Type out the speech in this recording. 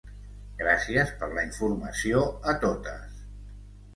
Gràcies per la informació a totes.